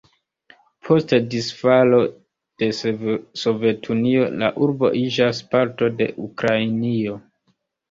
Post disfalo de Sovetunio la urbo iĝas parto de Ukrainio.